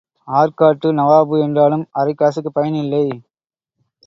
ஆர்க்காட்டு நவாபு என்றாலும் அரைக்காசுக்குப் பயன் இல்லை.